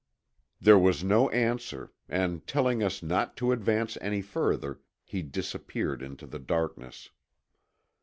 There was no answer, and telling us not to advance further, he disappeared into the darkness.